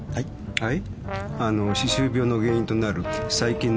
はい？